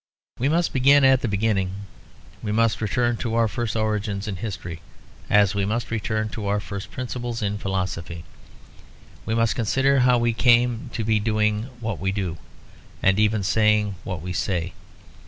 We must begin at the beginning; we must return to our first origins in history, as we must return to our first principles in philosophy. We must consider how we came to be doing what we do, and even saying what we say.